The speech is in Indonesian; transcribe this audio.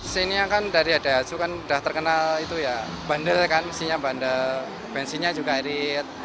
xenia kan dari daihatsu kan udah terkenal itu ya bandel kan mesinnya bandel bensinnya juga irit